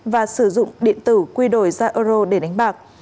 và sử dụng điện tử quy đổi ra euro để đánh bạc